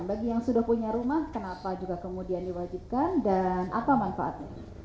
bagi yang sudah punya rumah kenapa juga kemudian diwajibkan dan apa manfaatnya